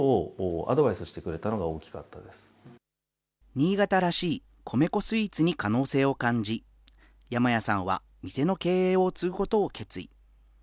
新潟らしい米粉スイーツに可能性を感じ、山谷さんは店の経営を継ぐことを決意。